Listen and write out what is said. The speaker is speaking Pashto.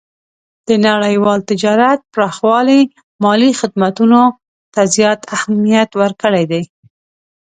د نړیوال تجارت پراخوالی مالي خدمتونو ته زیات اهمیت ورکړی دی.